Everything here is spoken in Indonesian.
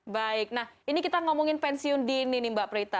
baik nah ini kita ngomongin pensiun dini nih mbak prita